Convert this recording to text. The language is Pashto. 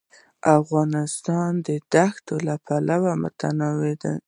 افغانستان د دښتې له پلوه متنوع دی.